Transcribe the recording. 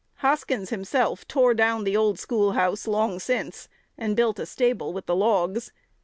Hoskins himself tore down "the old schoolhouse" long since, and built a stable with the logs.